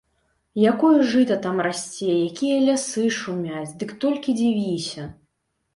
Якое жыта там расце, якія лясы шумяць, дык толькі дзівіся!